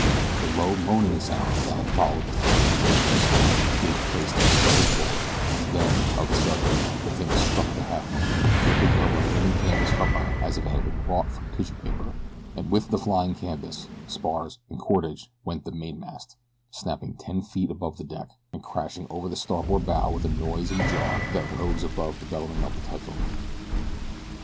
The low moaning sound that had followed the first appearance of the storm, gave place to a sullen roar, and then, of a sudden, the thing struck the Halfmoon, ripping her remaining canvas from her as if it had been wrought from tissue paper, and with the flying canvas, spars, and cordage went the mainmast, snapping ten feet above the deck, and crashing over the starboard bow with a noise and jar that rose above the bellowing of the typhoon.